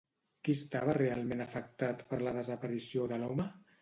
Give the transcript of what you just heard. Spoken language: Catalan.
Qui estava realment afectat per la desaparició de l'home?